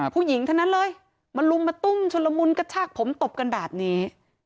ผู้หญิงทั้งนั้นเลยมาลุมมาตุ้มชุลมุนกระชากผมตบกันแบบนี้